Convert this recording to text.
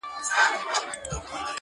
له نارنج تر انارګله له پامیره تر کابله؛